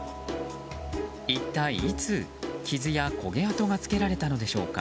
一体いつ、傷や焦げ跡がつけられたのでしょうか。